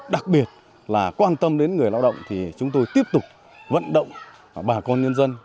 đặc biệt là quan tâm đến người lao động thì chúng tôi tiếp tục vận động bà con nhân dân